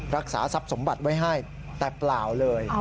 รักษาทรัพย์สมบัติไว้ให้แต่เปล่าเลย